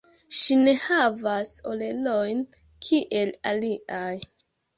Ŝi ne havas orelojn kiel aliaj.